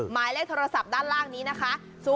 หมายเลขโทรศัพท์ด้านล่างนี้นะคะ